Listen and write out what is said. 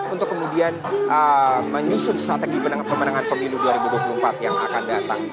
untuk kemudian menyusun strategi pemenangan pemilu dua ribu dua puluh empat yang akan datang